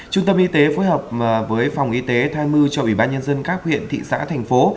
trung tâm y tế phối hợp với phòng y tế tham mưu cho ủy ban nhân dân các huyện thị xã thành phố